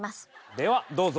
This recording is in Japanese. ではどうぞ。